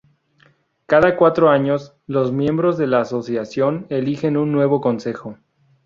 Cada cuatro años, los miembros de la asociación eligen un nuevo consejo.